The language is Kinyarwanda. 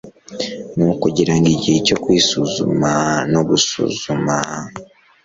ni ukugira igihe cyo kwisuzuma no gusuzuma